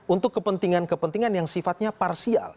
untuk kepentingan kepentingan yang sifatnya parsial